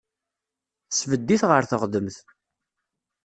Tesbedd-it ɣer teɣdemt.